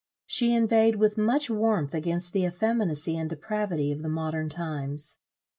She inveighed with much warmth against the effeminacy and depravity of the modern times.